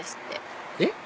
えっ？